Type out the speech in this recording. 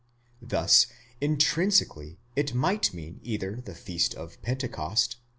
2 Thus intrinsically it might mean either the feast of Pentecost